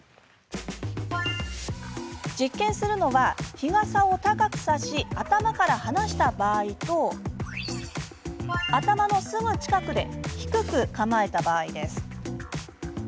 実験するのは、日傘を高く差し頭から離した場合と頭のすぐ近くで低く構えた場合です。